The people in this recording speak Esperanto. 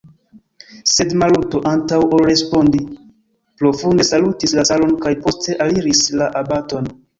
Sed Maluto, antaŭ ol respondi, profunde salutis la caron kaj poste aliris la abaton.